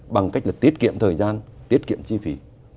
bằng cách là tiết kiệm thời gian tiết kiệm chi phí